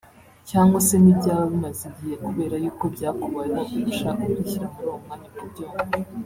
Cyangwa se n’ibyaba bimaze igihe kubera y’uko byakubayeho ubushaka kwishyira muri uwo mwanya ukabyumva